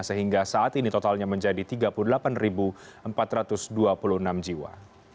sehingga saat ini totalnya menjadi tiga puluh delapan empat ratus dua puluh enam jiwa